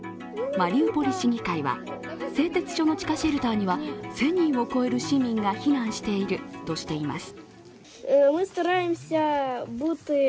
マリウポリ市議会は、製鉄所の地下シェルターには１０００人を超える市民が避難しているとしています。